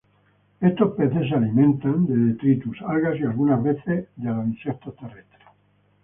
Estos peces se alimentan de detritus, algas, y algunas veces en los insectos terrestres.